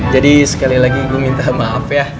jadi sekali lagi gue minta maaf ya